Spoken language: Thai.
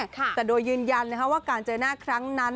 แต่โดยยืนยันว่าการเจอหน้าครั้งนั้น